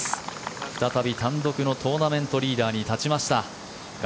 再び単独のトーナメントリーダーに立ちました。